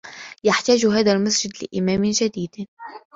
يحتاج هذا المسجد لإمام جديد.